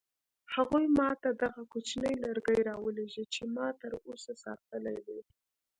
هغوی ما ته دغه کوچنی لرګی راولېږه چې ما تر اوسه ساتلی دی.